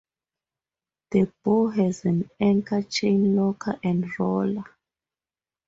The bow has an anchor chain locker and roller.